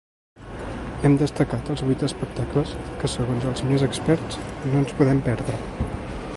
Hem destacat els vuit espectacles que segons els més experts no ens podem perdre.